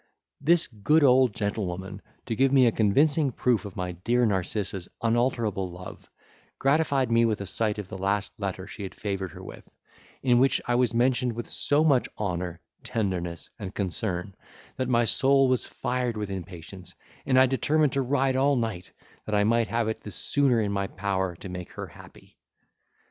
This good old gentlewoman, to give me a convincing proof of my dear Narcissa's unalterable love, gratified me with a sight of the last letter she had favoured her with, in which I was mentioned with so much honour, tenderness, and concern, that my soul was fired with impatience, and I determined to ride all night, that I might have it the sooner in my power to make her happy.